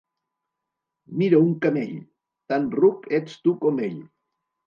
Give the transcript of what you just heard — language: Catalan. Mira, un camell! —Tan ruc ets tu com ell!